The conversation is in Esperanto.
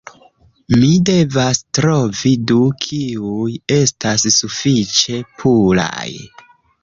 Mi devas trovi du, kiuj estas sufiĉe puraj